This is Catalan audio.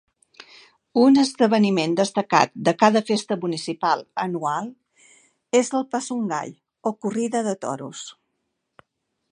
Un esdeveniment destacat de cada festa municipal anual és el "Pasungay", o corrida de toros.